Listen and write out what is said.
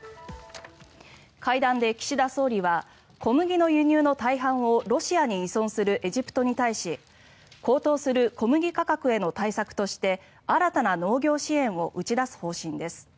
会談で岸田総理は小麦の輸入の大半をロシアに依存するエジプトに対し高騰する小麦価格への対策として新たな農業支援を打ち出す方針です。